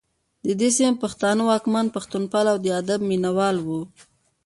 د دې سیمې پښتانه واکمن پښتوپال او د ادب مینه وال وو